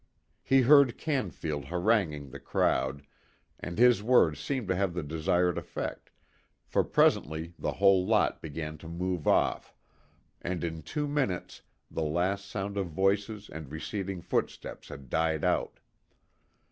He heard Canfield haranguing the crowd, and his words seemed to have the desired effect, for presently the whole lot began to move off, and in two minutes the last sound of voices and receding footsteps had died out.